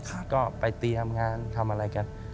ก็ไปเตรียมงานทำอะไรกัน